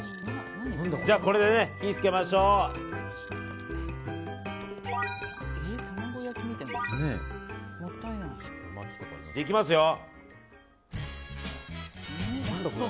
これで火を付けましょう！いきますよ。